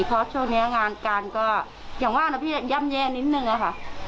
เพราะช่วงนี้งานการก็อย่างว่านะพี่ย่ำแย่นิดนึงอะค่ะ